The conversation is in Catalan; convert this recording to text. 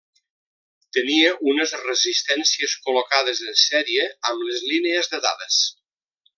Tenia unes resistències col·locades en sèrie amb les línies de dades.